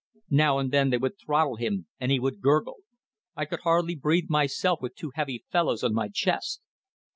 Now and then they would throttle him and he would gurgle. I could hardly breathe myself with two heavy fellows on my chest.